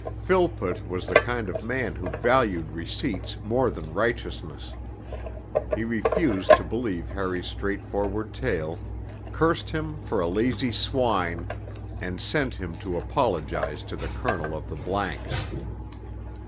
_ Philpott was the kind of man who valued receipts more than righteousness. He refused to believe Harry's straightforward tale, cursed him for a lazy swine, and sent him to apologize to the Colonel of the Blanks.